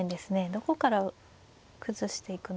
どこから崩していくのか。